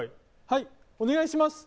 はいお願いします